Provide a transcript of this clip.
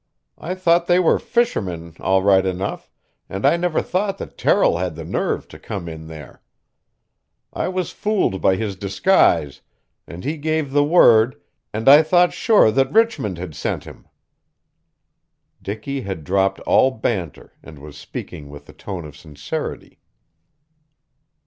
I thought they were fishermen, all right enough, and I never thought that Terrill had the nerve to come in there. I was fooled by his disguise, and he gave the word, and I thought sure that Richmond had sent him." Dicky had dropped all banter, and was speaking with the tone of sincerity.